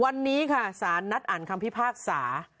วันนี้ค่ะสารนัดอ่านคำพิพากษา